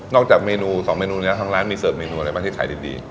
จากเมนู๒เมนูนี้ทางร้านมีเสิร์ฟเมนูอะไรบ้างที่ขายดี